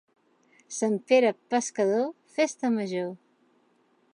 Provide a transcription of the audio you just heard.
Sant Pere Pescador, festa major.